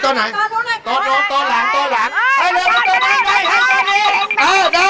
อร่อยไหม